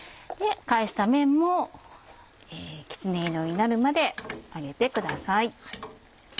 返した面もきつね色になるまで揚げてください。